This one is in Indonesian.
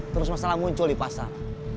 terus masalah muncul di pasar